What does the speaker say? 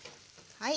はい。